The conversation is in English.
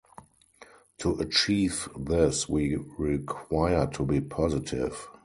To achieve this, we require to be positive.